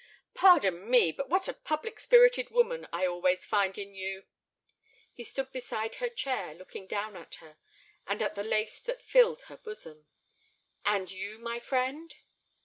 "Pardon me, but what a public spirited woman I always find in you." He stood beside her chair, looking down at her, and at the lace that filled her bosom. "And you, my friend?"